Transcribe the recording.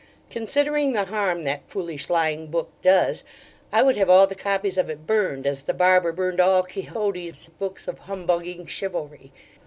Considering the harm that foolish lying book does, I would have all the copies of it burned, as the barber burned all Quixote's books of humbugging chivalry.